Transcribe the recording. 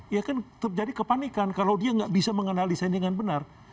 ya kan terjadi kepanikan kalau dia nggak bisa menganalisa ini dengan benar